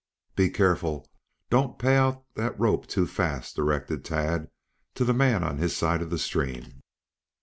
"Be careful. Don't pay out that rope too fast," directed Tad to the man on his side of the stream.